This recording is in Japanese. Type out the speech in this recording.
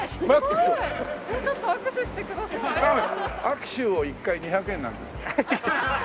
握手は１回２００円なんですよ。